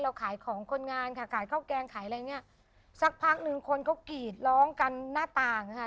ขายของคนงานค่ะขายข้าวแกงขายอะไรเนี้ยสักพักหนึ่งคนก็กรีดร้องกันหน้าต่างค่ะ